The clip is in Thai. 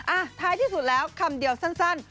ท้ายที่สุดแล้วคำเดียวสั้น